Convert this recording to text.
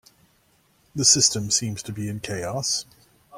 The system seems to be in chaos.